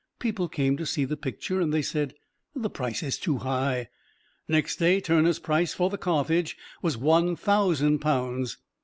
People came to see the picture and they said, "The price is too high." Next day Turner's price for the "Carthage" was one thousand pounds.